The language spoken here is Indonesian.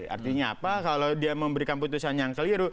artinya apa kalau dia memberikan putusan yang keliru